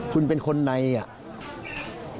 คุณเป็นคนในอ่ะ